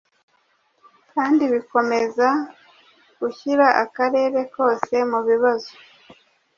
kandi bikomeza gushyira akarere kose mu bibazo".